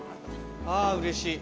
あうれしい。